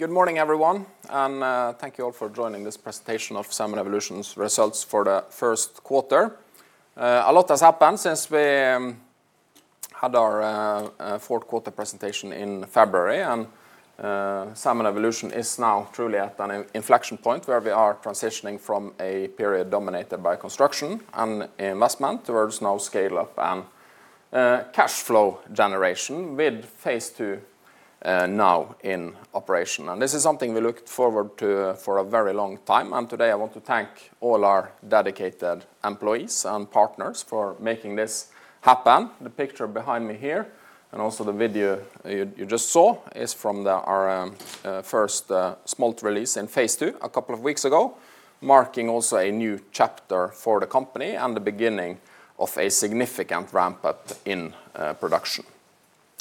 Good morning, everyone, and thank you all for joining this presentation of Salmon Evolution's results for the first quarter. A lot has happened since we had our fourth quarter presentation in February. Salmon Evolution is now truly at an inflection point where we are transitioning from a period dominated by construction and investment towards now scale-up and cash flow generation with phase II now in operation. This is something we looked forward to for a very long time. Today, I want to thank all our dedicated employees and partners for making this happen. The picture behind me here, and also the video you just saw, is from our first smolt release in phase II a couple of weeks ago, marking also a new chapter for the company and the beginning of a significant ramp-up in production.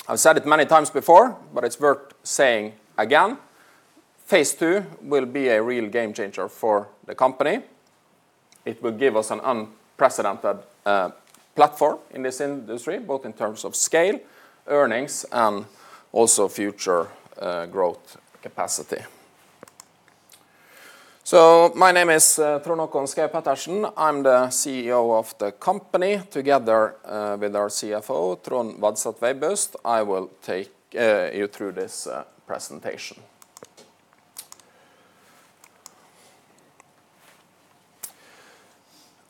I've said it many times before, it's worth saying again, phase II will be a real game changer for the company. It will give us an unprecedented platform in this industry, both in terms of scale, earnings, and also future growth capacity. My name is Trond Håkon Schaug-Pettersen. I'm the CEO of the company. Together with our CFO, Trond Vadset Veibust, I will take you through this presentation.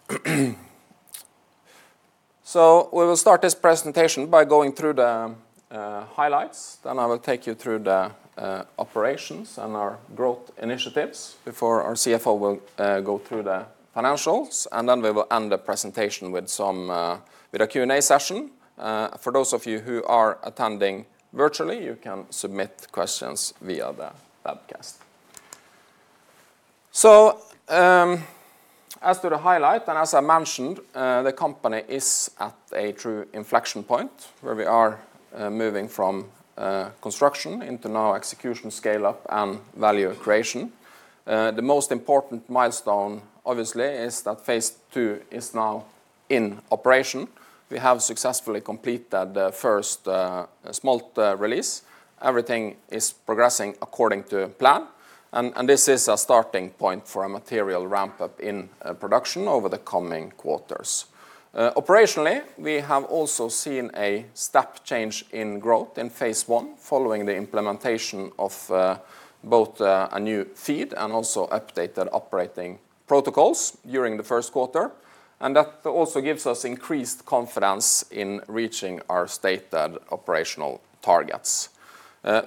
We will start this presentation by going through the highlights. I will take you through the operations and our growth initiatives before our CFO will go through the financials. We will end the presentation with some with a Q&A session. For those of you who are attending virtually, you can submit questions via the webcast. As to the highlight, and as I mentioned, the company is at a true inflection point where we are moving from construction into now execution, scale-up, and value creation. The most important milestone, obviously, is that phase II is now in operation. We have successfully completed the first smolt release. Everything is progressing according to plan. This is a starting point for a material ramp-up in production over the coming quarters. Operationally, we have also seen a step change in growth in phase I following the implementation of both a new feed and also updated operating protocols during the first quarter. That also gives us increased confidence in reaching our stated operational targets.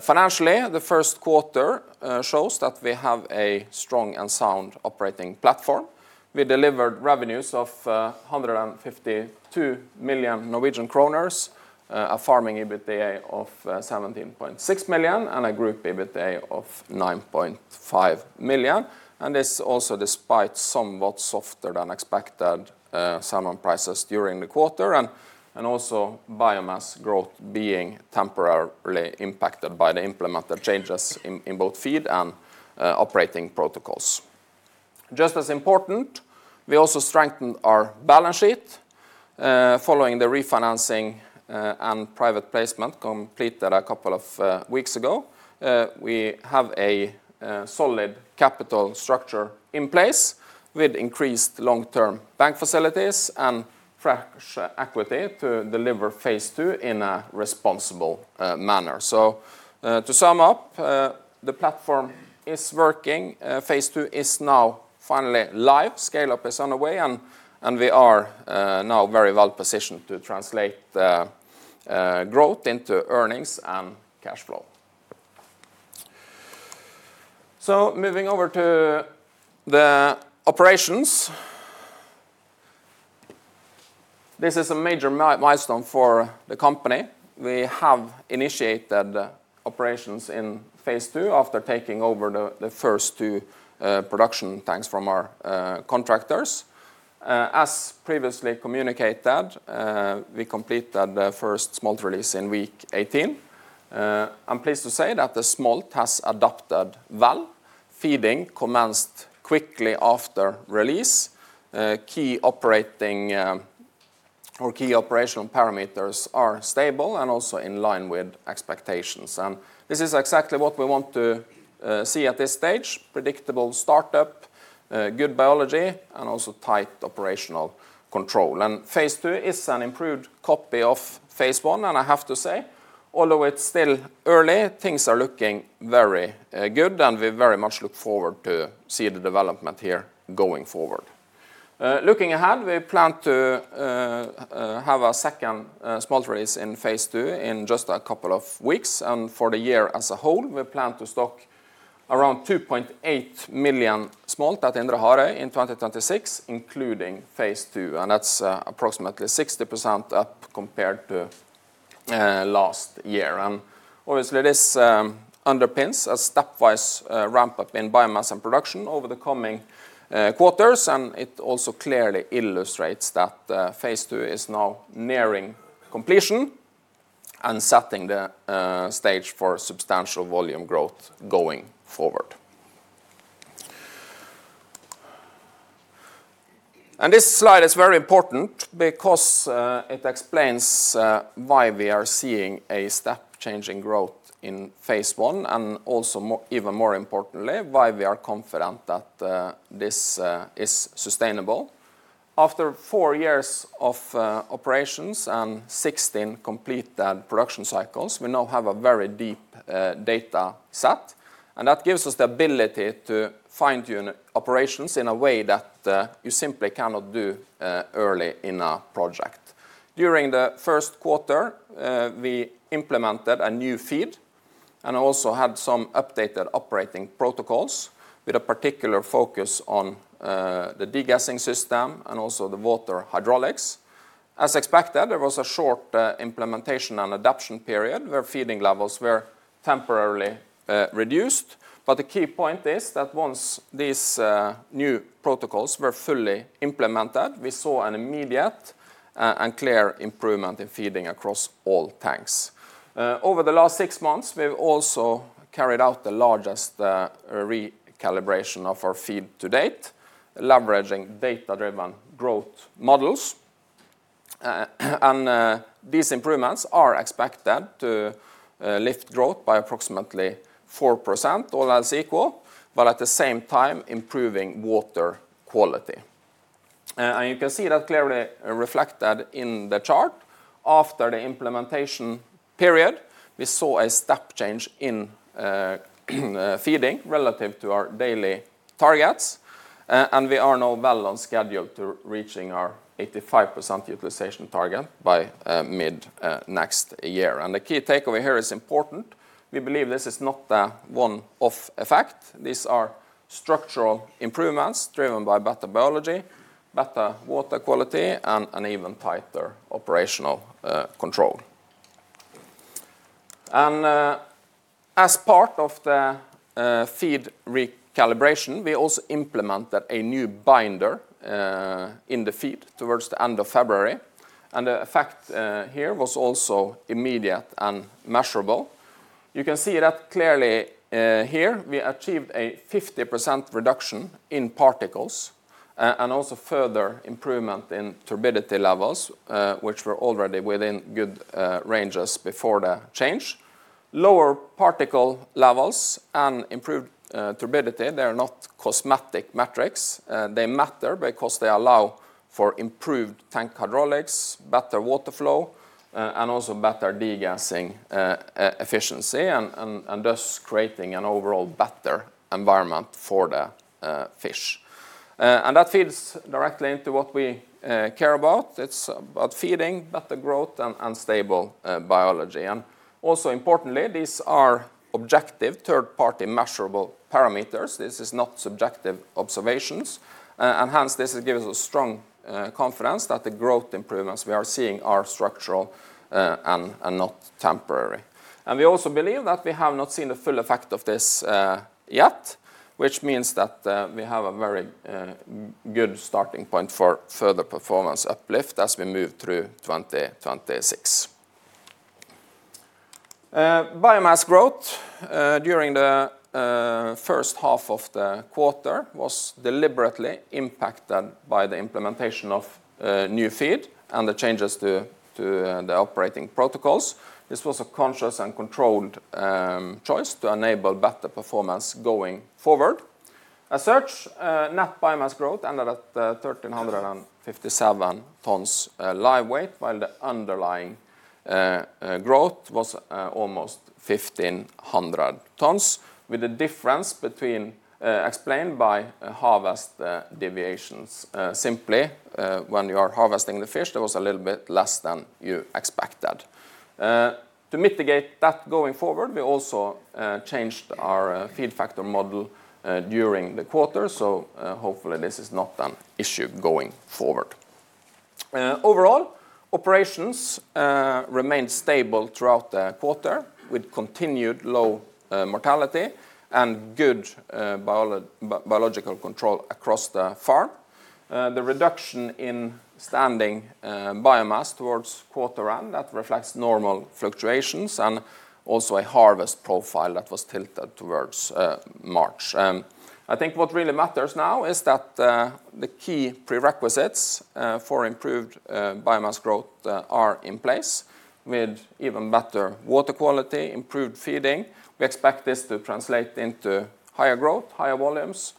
Financially, the first quarter shows that we have a strong and sound operating platform. We delivered revenues of 152 million Norwegian kroner, a farming EBITDA of 17.6 million, and a group EBITDA of 9.5 million. This also despite somewhat softer than expected salmon prices during the quarter and also biomass growth being temporarily impacted by the implemented changes in both feed and operating protocols. Just as important, we also strengthened our balance sheet following the refinancing and private placement completed a couple of weeks ago. We have a solid capital structure in place with increased long-term bank facilities and fresh equity to deliver phase II in a responsible manner. To sum up, the platform working. Phase II is now finally live. Scale-up is underway, and we are now very well-positioned to translate the growth into earnings and cash flow. Moving over to the operations. This is a major milestone for the company. We have initiated operations in phase II after taking over the first two production tanks from our contractors. As previously communicated, we completed the first smolt release in week 18. I'm pleased to say that the smolt has adapted well. Feeding commenced quickly after release. Key operational parameters are stable and also in line with expectations. This is exactly what we want to see at this stage. Predictable startup, good biology, and also tight operational control. Phase II is an improved copy of phase I, and I have to say, although it's still early, things are looking very good, and we very much look forward to see the development here going forward. Looking ahead, we plan to have a second smolt release in phase II in just a couple of weeks. For the year as a whole, we plan to stock around 2.8 million smolt at Indre Harøy in 2026, including phase II, and that's approximately 60% up compared to last year. Obviously, this underpins a stepwise ramp-up in biomass and production over the coming quarters, and it also clearly illustrates that phase II is now nearing completion and setting the stage for substantial volume growth going forward. This slide is very important because it explains why we are seeing a step change in growth in phase I and also, even more importantly, why we are confident that this is sustainable. After four years of operations and 16 complete production cycles, we now have a very deep data set, and that gives us the ability to fine-tune operations in a way that you simply cannot do early in a project. During the first quarter, we implemented a new feed and also had some updated operating protocols with a particular focus on the degassing system and also the water hydraulics. As expected, there was a short implementation and adoption period where feeding levels were temporarily reduced. The key point is that once these new protocols were fully implemented, we saw an immediate and clear improvement in feeding across all tanks. Over the last six months, we've also carried out the largest recalibration of our feed to date, leveraging data-driven growth models. These improvements are expected to lift growth by approximately 4%, all else equal, but at the same time improving water quality. You can see that clearly reflected in the chart. After the implementation period, we saw a step change in feeding relative to our daily targets. We are now well on schedule to reaching our 85% utilization target by mid next year. The key takeaway here is important. We believe this is not a one-off effect. These are structural improvements driven by better biology, better water quality, and an even tighter operational control. As part of the feed recalibration, we also implemented a new binder in the feed towards the end of February. The effect here was also immediate and measurable. You can see that clearly here. We achieved a 50% reduction in particles and also further improvement in turbidity levels, which were already within good ranges before the change. Lower particle levels and improved turbidity, they are not cosmetic metrics. They matter because they allow for improved tank hydraulics, better water flow, and also better degassing efficiency and thus creating an overall better environment for the fish. That feeds directly into what we care about. It's about feeding better growth and stable biology. Importantly, these are objective third-party measurable parameters. This is not subjective observations. This gives us strong confidence that the growth improvements we are seeing are structural and not temporary. We also believe that we have not seen the full effect of this yet, which means that we have a very good starting point for further performance uplift as we move through 2026. Biomass growth during the first half of the quarter was deliberately impacted by the implementation of new feed and the changes to the operating protocols. This was a conscious and controlled choice to enable better performance going forward. As such, net biomass growth ended at 1,357 tons live weight, while the underlying growth was almost 1,500 tons, with the difference explained by harvest deviations. Simply, when you are harvesting the fish, there was a little bit less than you expected. To mitigate that going forward, we also changed our feed factor model during the quarter, so hopefully this is not an issue going forward. Overall, operations remained stable throughout the quarter with continued low mortality and good biological control across the farm. The reduction in standing biomass towards quarter end, that reflects normal fluctuations and also a harvest profile that was tilted towards March. I think what really matters now is that the key prerequisites for improved biomass growth are in place with even better water quality, improved feeding. We expect this to translate into higher growth, higher volumes,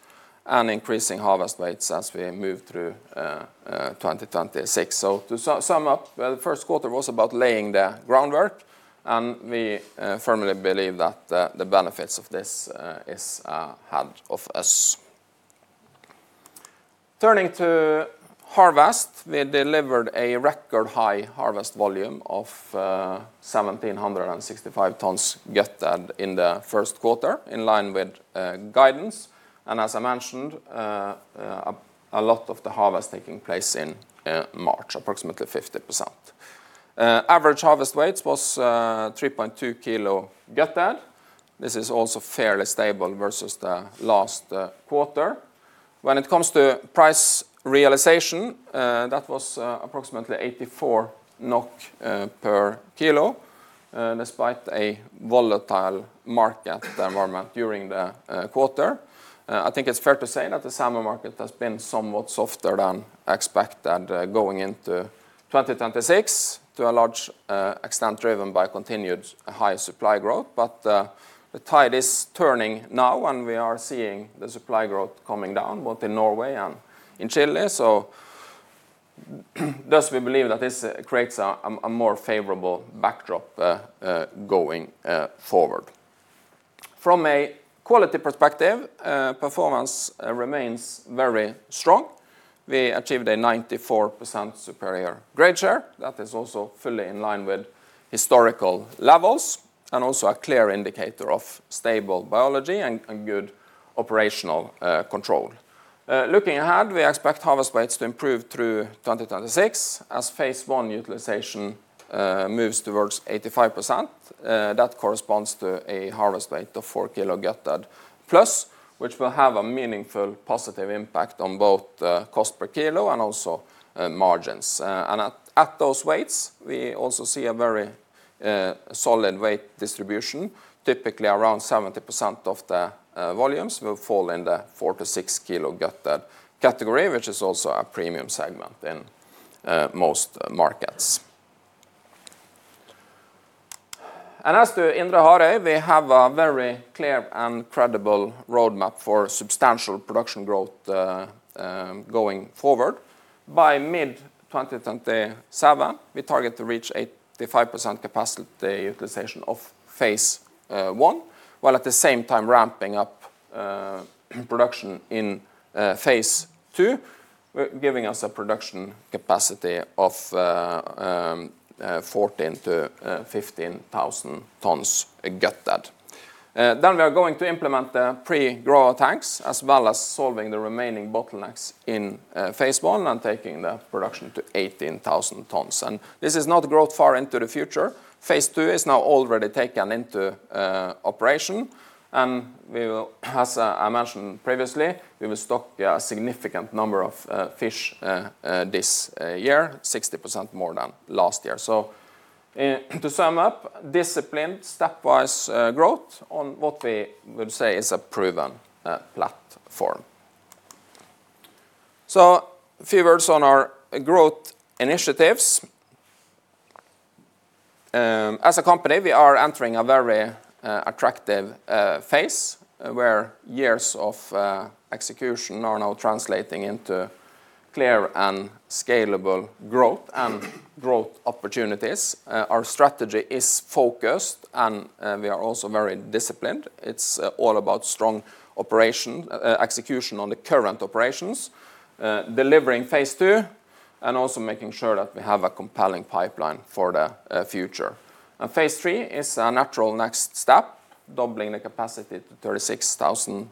and increasing harvest rates as we move through 2026. To sum up, the first quarter was about laying the groundwork, and we firmly believe that the benefits of this is ahead of us. Turning to harvest, we delivered a record high harvest volume of 1,765 tons gutted in the first quarter, in line with guidance. As I mentioned, a lot of the harvest taking place in March, approximately 50%. Average harvest weights was 3.2 kg gutted. This is also fairly stable versus the last quarter. When it comes to price realization, that was approximately 84 NOK per kilo. Despite a volatile market environment during the quarter, I think it's fair to say that the salmon market has been somewhat softer than expected going into 2026, to a large extent driven by continued high supply growth. The tide is turning now, and we are seeing the supply growth coming down, both in Norway and in Chile. Thus, we believe that this creates a more favorable backdrop going forward. From a quality perspective, performance remains very strong. We achieved a 94% superior grade share. That is also fully in line with historical levels and also a clear indicator of stable biology and good operational control. Looking ahead, we expect harvest weights to improve through 2026, as phase I utilization moves towards 85%. That corresponds to a harvest weight of 4 kg gutted plus, which will have a meaningful positive impact on both cost per kilo and also margins. And at those weights, we also see a very solid weight distribution. Typically, around 70% of the volumes will fall in the 4 kg-6 kg kilo gutted category, which is also a premium segment in most markets. As to Indre Harøy, we have a very clear and credible roadmap for substantial production growth going forward. By mid-2027, we target to reach 85% capacity utilization of phase I, while at the same time ramping up production in phase II, giving us a production capacity of 14,000 tons-15,000 tons gutted. Then we are going to implement the pre-grower tanks, as well as solving the remaining bottlenecks in phase I and taking the production to 18,000 tons. This is not growth far into future. Phase II is now already taken into operation, and as I mentioned previously, we will stock a significant number of fish this year, 60% more than last year. To sum up, disciplined stepwise growth on what we would say is a proven platform. A few words on our growth initiatives. As a company, we are entering a very attractive phase where years of execution are now translating into clear and scalable growth and growth opportunities. Our strategy is focused and we are also very disciplined. It's all about strong operation execution on the current operations, delivering phase II, and also making sure that we have a compelling pipeline for the future. Phase III is a natural next step, doubling the capacity to 36,000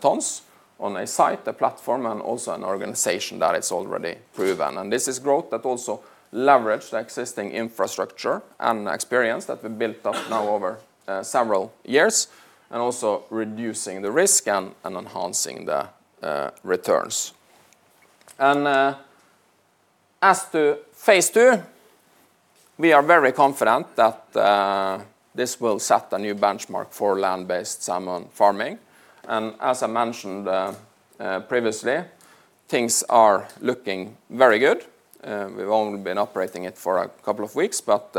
tons on a site, a platform, and also an organization that is already proven. This is growth that also leverage the existing infrastructure and experience that we built up now over several years, and also reducing the risk and enhancing the returns. As to phase II, we are very confident that this will set a new benchmark for land-based salmon farming. As I mentioned previously, things are looking very good. We've only been operating it for a couple of weeks, but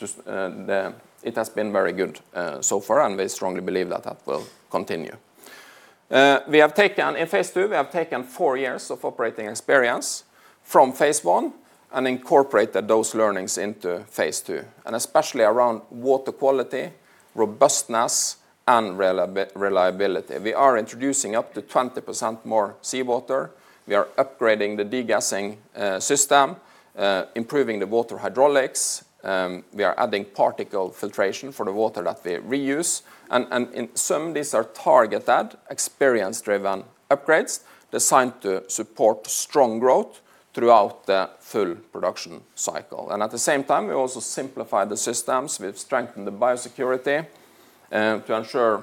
just it has been very good so far, and we strongly believe that that will continue. In phase II, we have taken four years of operating experience from phase I and incorporated those learnings into phase II, and especially around water quality, robustness, and reliability. We are introducing up to 20% more seawater. We are upgrading the degassing system, improving the water hydraulics. We are adding particle filtration for the water that we reuse. Some of these are targeted experience-driven upgrades designed to support strong growth throughout the full production cycle. At the same time, we also simplify the systems. We've strengthened the biosecurity to ensure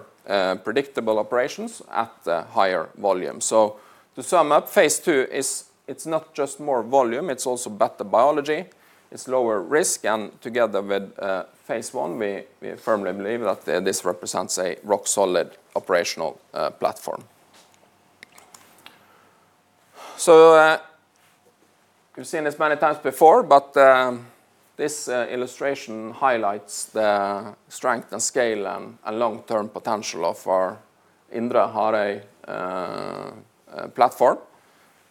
predictable operations at the higher volume. To sum up, phase II, it's not just more volume, it's also better biology, it's lower risk, and together with phase I, we firmly believe that this represents a rock-solid operational platform. You've seen this many times before, but this illustration highlights the strength and scale and long-term potential of our Indre Harøy platform.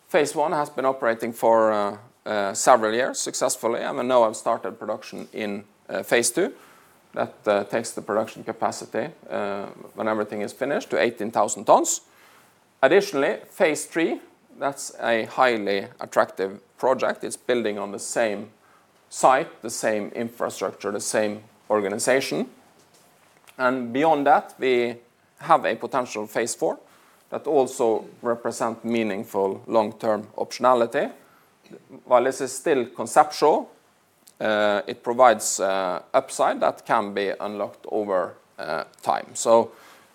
Phase I has been operating for several years successfully, and we now have started production in phase II. That takes the production capacity, when everything is finished, to 18,000 tons. Additionally, phase III, that's a highly attractive project. It's building on the same site, the same infrastructure, the same organization. Beyond that, we have a potential phase IV that also represent meaningful long-term optionality. While this is still conceptual, it provides a upside that can be unlocked over time.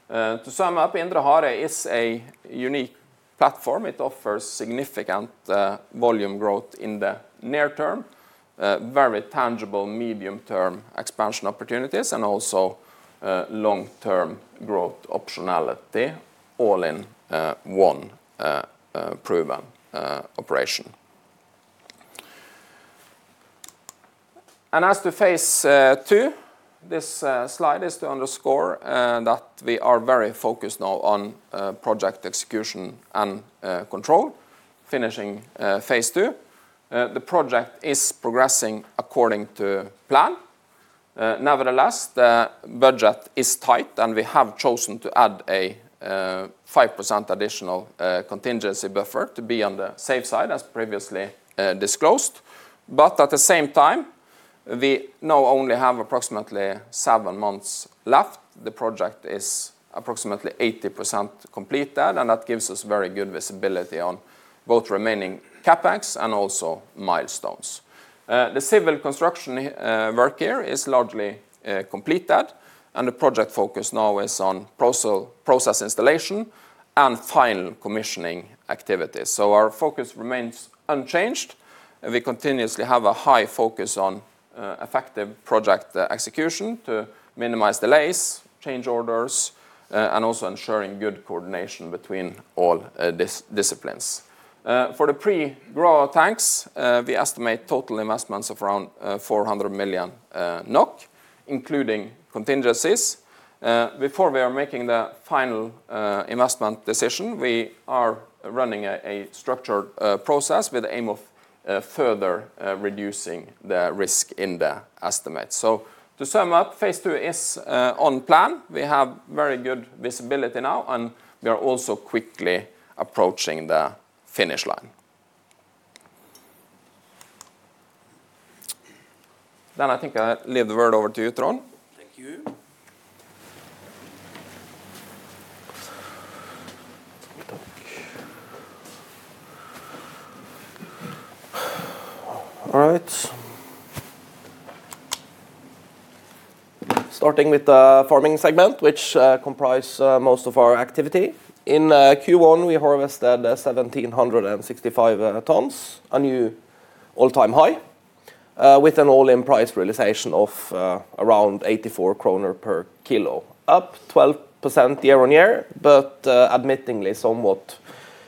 To sum up, Indre Harøy is a unique platform, it offers significant volume growth in the near term, very tangible medium-term expansion opportunities and also long-term growth optionality all in one proven operation. As to phase II, this slide is to underscore that we are very focused now on project execution and control finishing phase II. The project is progressing according to plan. Nevertheless, the budget is tight, and we have chosen to add a 5% additional contingency buffer to be on the safe side as previously disclosed. At the same time, we now only have approximately seven months left. The project is approximately 80% completed, and that gives us very good visibility on both remaining CapEx and also milestones. The civil construction work here is largely completed, and the project focus now is on process installation and final commissioning activities. Our focus remains unchanged, and we continuously have a high focus on effective project execution to minimize delays, change orders, and also ensuring good coordination between all disciplines. For the pre-grower tanks, we estimate total investments of around 400 million NOK, including contingencies. Before we are making the final investment decision, we are running a structured process with the aim of further reducing the risk in the estimate. To sum up, phase II is on plan. We have very good visibility now, and we are also quickly approaching the finish line. I think I leave the word over to you, Trond. Thank you. All right. Starting with the farming segment, which comprise most of our activity. In Q1, we harvested 1,765 tons, a new all-time high, with an all-in price realization of around 84 kroner per kilo, up 12% year-on-year, admittedly somewhat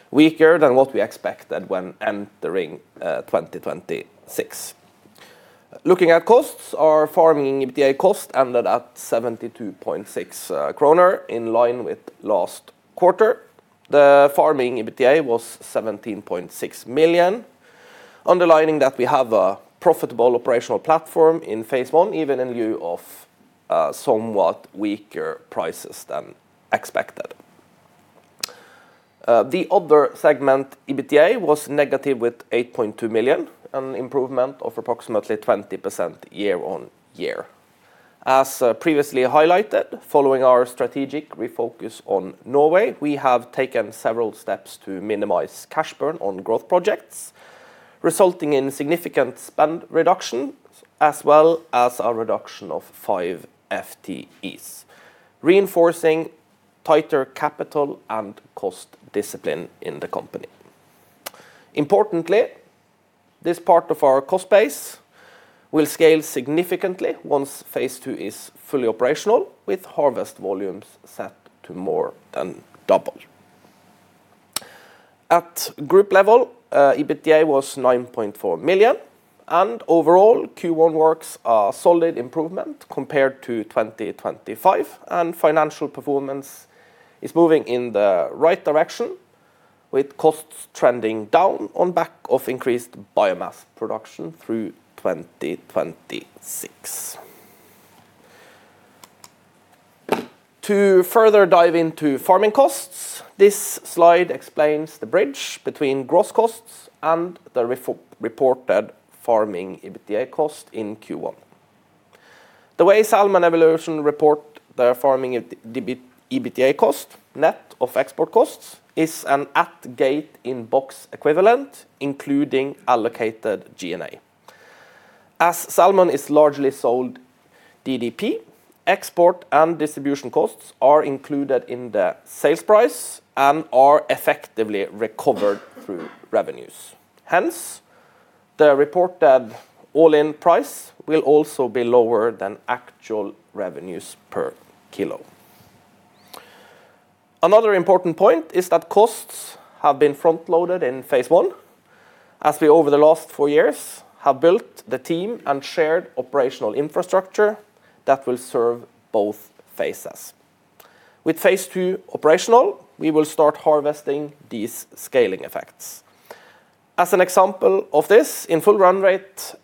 weaker than what we expected when entering 2026. Looking at costs, our farming EBITDA cost ended at 72.6 kroner in line with last quarter. The farming EBITDA was 17.6 million, underlining that we have a profitable operational platform in phase I, even in lieu of somewhat weaker prices than expected. The other segment EBITDA was negative with 8.2 million, an improvement of approximately 20% year-on-year. As previously highlighted, following our strategic refocus on Norway, we have taken several steps to minimize cash burn on growth projects, resulting in significant spend reduction as well as a reduction of five FTEs, reinforcing tighter capital and cost discipline in the company. Importantly, this part of our cost base will scale significantly once phase II is fully operational, with harvest volumes set to more than double. At group level, EBITDA was 9.4 million. Overall, Q1 marks a solid improvement compared to 2025, and financial performance is moving in the right direction with costs trending down on back of increased biomass production through 2026. To further dive into farming costs, this slide explains the bridge between gross costs and the re-reported farming EBITDA cost in Q1. The way Salmon Evolution report their farming EBITDA cost, net of export costs, is an at gate in box equivalent, including allocated G&A. As salmon is largely sold DDP, export and distribution costs are included in the sales price and are effectively recovered through revenues. The reported all-in price will also be lower than actual revenues per kilo. Another important point is that costs have been front-loaded in phase I as we, over the last four years, have built the team and shared operational infrastructure that will serve both phases. With phase II operational, we will start harvesting these scaling effects. As an example of this, in full run rate,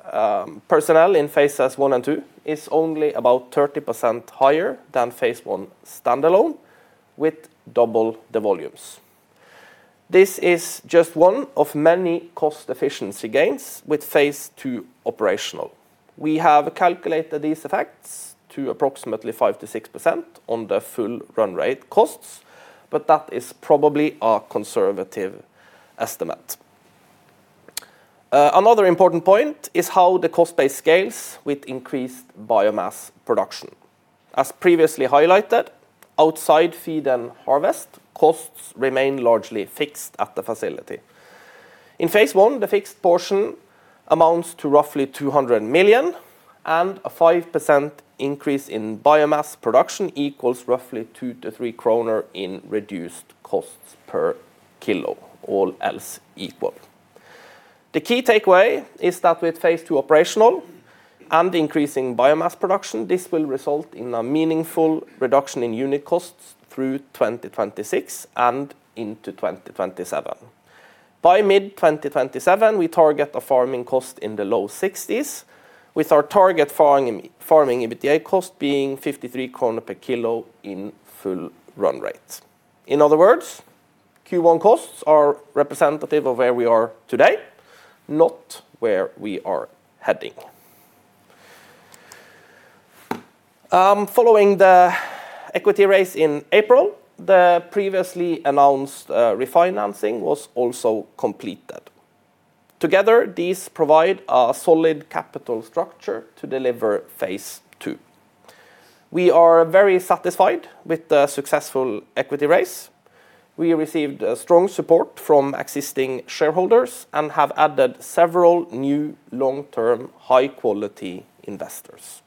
personnel in phase I and phase II is only about 30% higher than phase I standalone with double the volumes. This is just one of many cost efficiency gains with phase II operational. We have calculated these effects to approximately 5%-6% on the full run-rate costs, but that is probably a conservative estimate. Another important point is how the cost base scales with increased biomass production. As previously highlighted, outside feed and harvest, costs remain largely fixed at the facility. In phase I, the fixed portion amounts to roughly 200 million, and a 5% increase in biomass production equals roughly 2-3 kroner in reduced costs per kilo, all else equal. The key takeaway is that with phase II operational and increasing biomass production, this will result in a meaningful reduction in unit costs through 2026 and into 2027. By mid-2027, we target a farming cost in the low NOK 60s, with our target farming EBITDA cost being 53 kroner per kilo in full run-rate. In other words, Q1 costs are representative of where we are today, not where we are heading. Following the equity raise in April, the previously announced refinancing was also completed. Together, these provide a solid capital structure to deliver phase II. We are very satisfied with the successful equity raise. We received strong support from existing shareholders and have added several new long-term high-quality investors.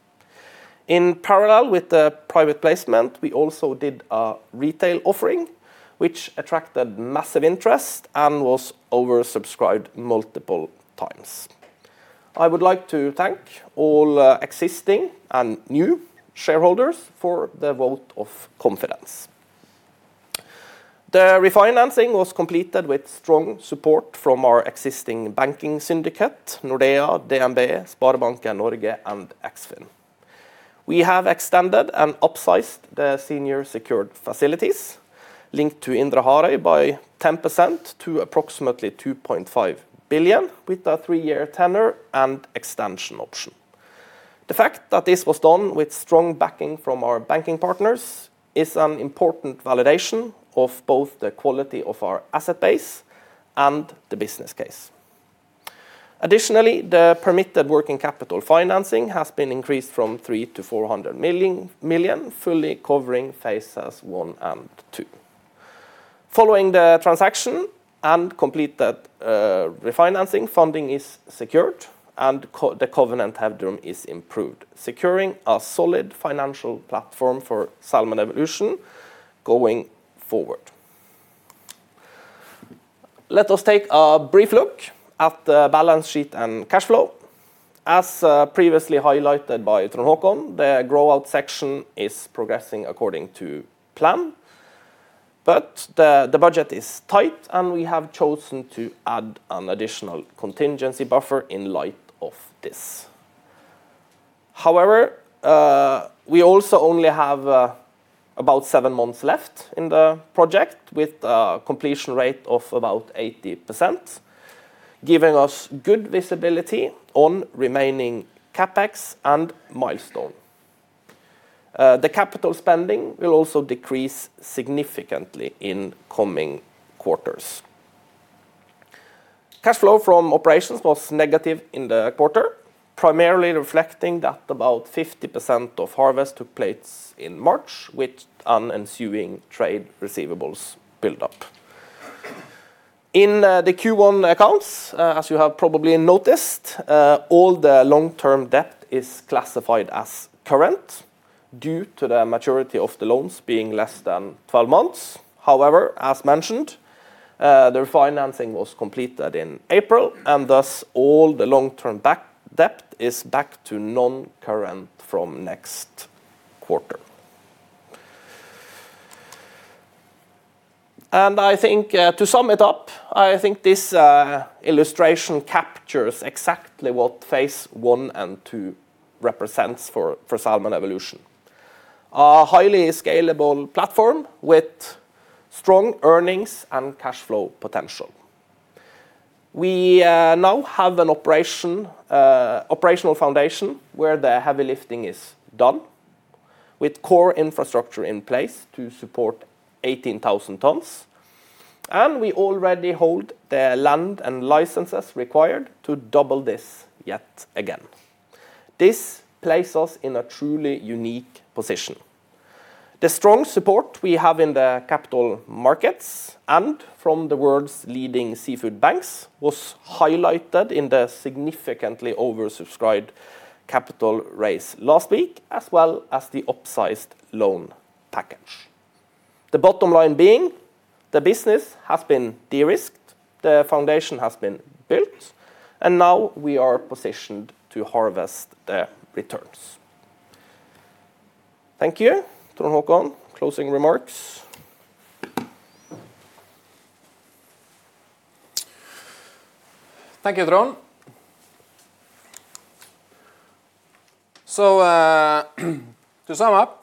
In parallel with the private placement, we also did a retail offering, which attracted massive interest and was oversubscribed multiple times. I would like to thank all existing and new shareholders for their vote of confidence. The refinancing was completed with strong support from our existing banking syndicate, Nordea, DNB, Sparebanken Møre, and Eksfin. We have extended and upsized the senior secured facilities linked to Indre Harøy by 10% to approximately 2.5 billion with a three-year tenor and extension option. The fact that this was done with strong backing from our banking partners is an important validation of both the quality of our asset base and the business case. Additionally, the permitted working capital financing has been increased from 300 million to 400 million, fully covering phase I and phase II. Following the transaction and completed refinancing, funding is secured and the covenant headroom is improved, securing a solid financial platform for Salmon Evolution going forward. Let us take a brief look at the balance sheet and cash flow. As previously highlighted by Trond Håkon, the grow-out section is progressing according to plan. The budget is tight, and we have chosen to add an additional contingency buffer in light of this. However, we also only have about seven months left in the project with a completion rate of about 80%, giving us good visibility on remaining CapEx and milestone. The capital spending will also decrease significantly in coming quarters. Cash flow from operations was negative in the quarter, primarily reflecting that about 50% of harvest took place in March, with an ensuing trade receivables buildup. In the Q1 accounts, as you have probably noticed, all the long-term debt is classified as current due to the maturity of the loans being less than 12 months. As mentioned, the refinancing was completed in April, and thus all the long-term debt is back to non-current from next quarter. I think, to sum it up, I think this illustration captures exactly phase I and II represents for Salmon Evolution. A highly scalable platform with strong earnings and cash flow potential. We now have an operational foundation where the heavy lifting is done with core infrastructure in place to support 18,000 tons. We already hold the land and licenses required to double this yet again. This places in a truly unique position. The strong support we have in the capital markets and from the world's leading seafood banks was highlighted in the significantly oversubscribed capital raise last week, as well as the upsized loan package. The bottom line being the business has been de-risked, the foundation has been built. Now we are positioned to harvest the returns. Thank you. Trond Håkon, closing remarks. Thank you, Trond. To sum up,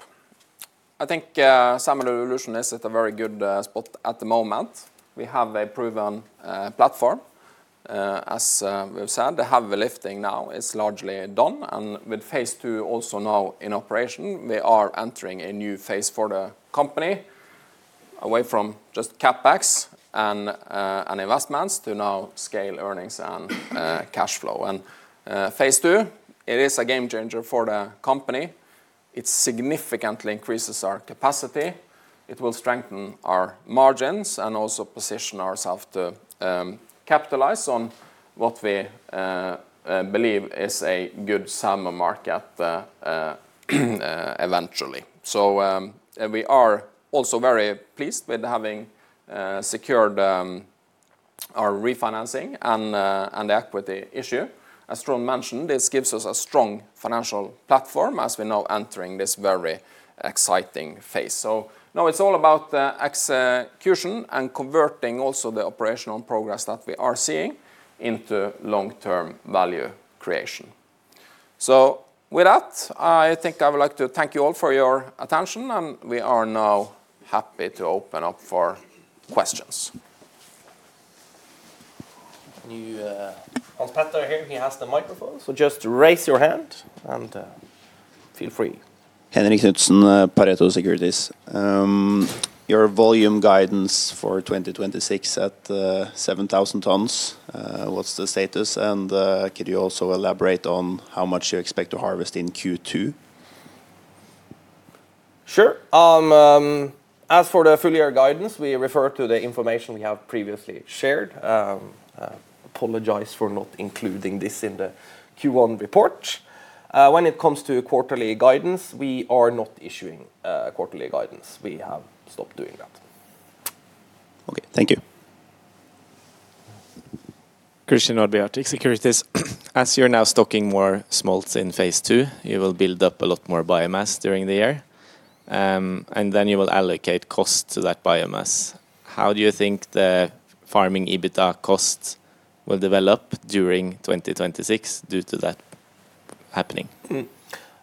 I think Salmon Evolution is at a very good spot at the moment. We have a proven platform. As we've said, the heavy lifting now is largely done, and with phase II also now in operation, we are entering a new phase for the company. Away from just CapEx and investments to now scale earnings cashflow. Phase II, it is a game changer for the company. It significantly increases our capacity. It will strengthen our margins and also position ourself to capitalize on what we believe is a good salmon market eventually. We are also very pleased with having secured our refinancing and equity issue. As Trond mentioned, this gives us a strong financial platform as we're now entering this very exciting phase. Now it's all about the execution and converting also the operational progress that we are seeing into long-term value creation. With that, I think I would like to thank you all for your attention, and we are now happy to open up for questions. Can you, Hans Petter here, he has the microphone, so just raise your hand and feel free. Henrik Knutsen, Pareto Securities. Your volume guidance for 2026 at, 7,000 tons, what's the status? Could you also elaborate on how much you expect to harvest in Q2? Sure. As for the full-year guidance, we refer to the information we have previously shared. Apologize for not including this in the Q1 report. When it comes to quarterly guidance, we are not issuing quarterly guidance. We have stopped doing that. Okay. Thank you. Christian Nordby, Arctic Securities. As you're now stocking more smolts in phase II, you will build up a lot more biomass during the year, and then you will allocate cost to that biomass. How do you think the farming EBITDA costs will develop during 2026 due to that happening?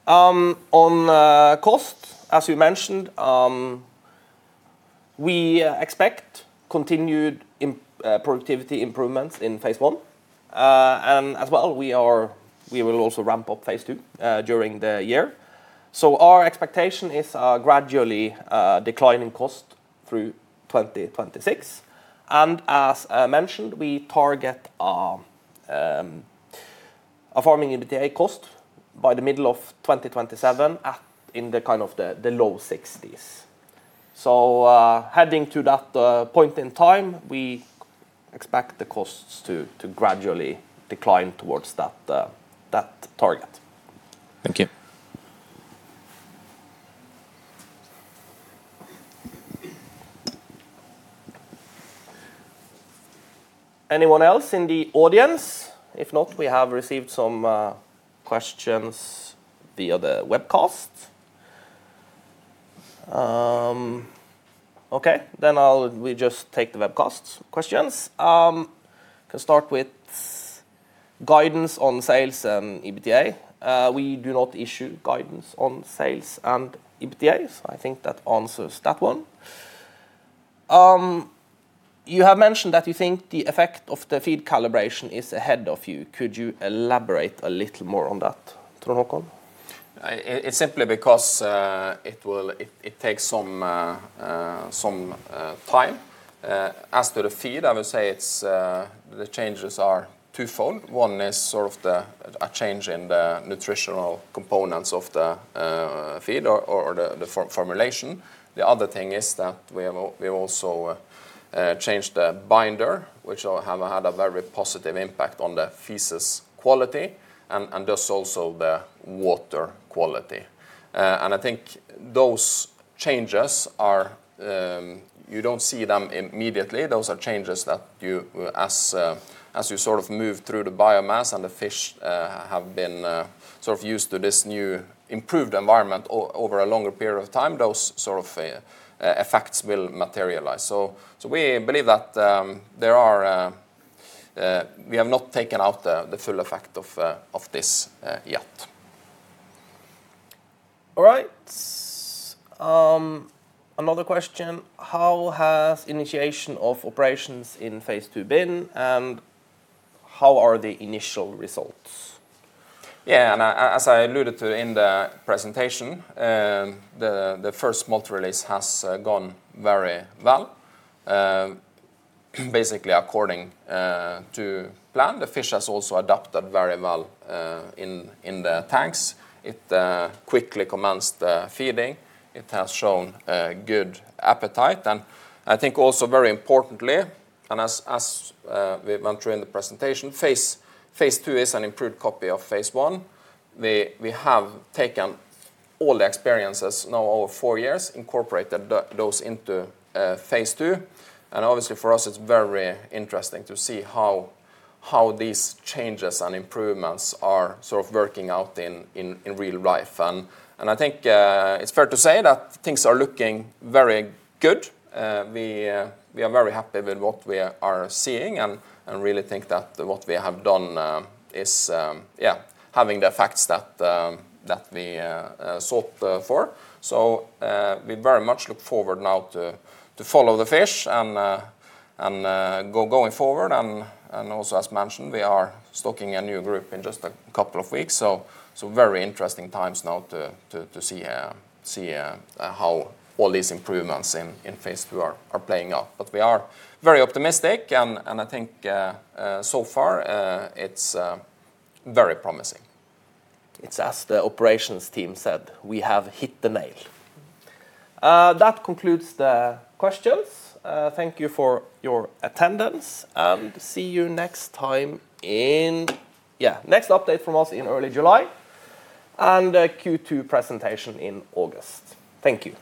On cost, as we mentioned, we expect continued productivity improvements in phase I. And as well, we will also ramp up phase II during the year. Our expectation is a gradually declining cost through 2026. As mentioned, we target a farming EBITDA cost by the middle of 2027 at the low NOK 60s. Heading to that point in time, we expect the costs to gradually decline towards that target. Thank you. Anyone else in the audience? If not, we have received some questions via the webcast. Okay, we just take the webcast questions. Can start with guidance on sales and EBITDA. We do not issue guidance on sales and EBITDA. I think that answers that one. You have mentioned that you think the effect of the feed calibration is ahead of you. Could you elaborate a little more on that, Trond Håkon? It's simply because it takes some time. As to the feed, I would say it's the changes are twofold. One is sort of the, a change in the nutritional components of the feed or the formulation. The other thing is that we've also changed the binder, which will have had a very positive impact on the feces quality and just also the water quality. I think those changes are, you don't see them immediately. Those are changes that you, as you sort of move through the biomass and the fish have been sort of used to this new improved environment over a longer period of time, those sort of effects will materialize. We believe that we have not taken out the full effect of this yet. All right. Another question: How has initiation of operations in phase II been, and how are the initial results? Yeah. As I alluded to in the presentation, the first smolt release has gone very well, basically according to plan. The fish has also adapted very well in the tanks. It quickly commenced feeding. It has shown good appetite. I think also very importantly, and as we went through in the presentation, phase II is an improved copy of phase I. We have taken all the experiences now over four years, incorporated those into phase II. Obviously for us, it's very interesting to see how these changes and improvements are sort of working out in real life. I think it's fair to say that things are looking very good. We are very happy with what we are seeing and really think that what we have done is, yeah, having the effects that we sought for. We very much look forward now to follow the fish and going forward. Also as mentioned, we are stocking a new group in just a couple of weeks. Very interesting times now to see how all these improvements in phase II are playing out. We are very optimistic and I think so far, it's very promising. It's as the operations team said, "We have hit the nail. That concludes the questions. Thank you for your attendance and see you next time in next update from us in early July and a Q2 presentation in August. Thank you.